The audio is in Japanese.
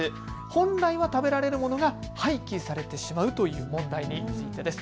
本来は食べられるものが廃棄されてしまうという問題についてです。